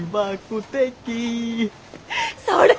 それ！